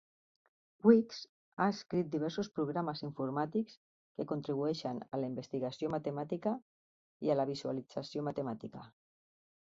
Weeks ha escrit diversos programes informàtics que contribueixen a la investigació matemàtica i a la visualització matemàtica.